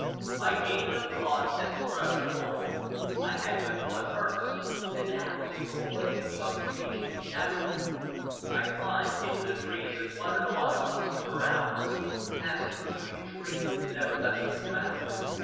I gave no thought as to where I was going. I had but one purpose, and that was to go away beyond the reach of the Chatterer. I climbed into the trees and wandered on amongst them for hours, passing from tree to tree and never touching the ground.